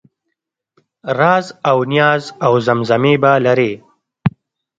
رازاونیازاوزمزمې به لرې